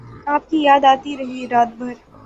آپ کی یاد آتی رہی رات بھر